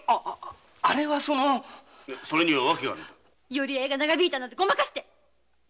寄合いが長引いたなんて誤魔化して！